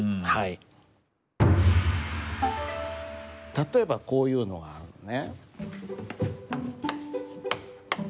例えばこういうのがあるのね。